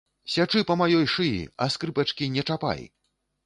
Сячы па маёй шыі, а скрыпачкі не чапай!